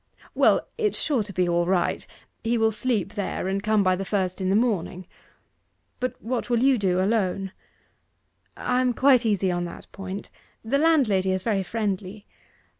'Well, it's sure to be all right he will sleep there, and come by the first in the morning. But what will you do, alone?' 'I am quite easy on that point; the landlady is very friendly.